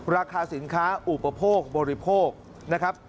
ราคาสินค้าอุปโภคบริโภคนะครับ